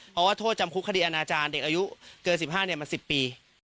เพราะว่าโทษจำคุกคดีอาณาจารย์เด็กอายุเกิน๑๕มา๑๐ปี